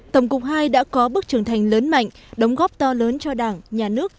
tổng cục ii đã có bước trưởng thành lớn mạnh đóng góp to lớn cho đảng nhà nước